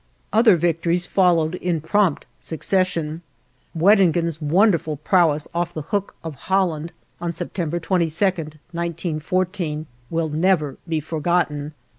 Other victories followed in prompt succession. Weddingen's wonderful prowess off the Hoek of Holland, on September 22, 1914, will never be forgotten.